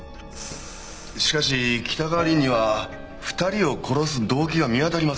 しかし北川凛には２人を殺す動機が見当たりません。